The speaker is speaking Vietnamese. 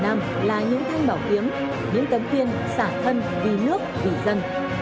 những thanh bảo kiếm biến tấn phiên xả thân vì nước vì dân